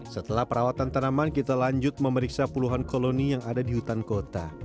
setelah perawatan tanaman kita lanjut memeriksa puluhan koloni yang ada di hutan kota